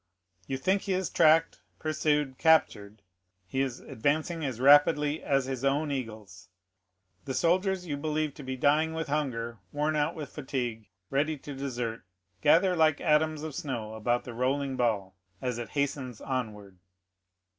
You think he is tracked, pursued, captured; he is advancing as rapidly as his own eagles. The soldiers you believe to be dying with hunger, worn out with fatigue, ready to desert, gather like atoms of snow about the rolling ball as it hastens onward.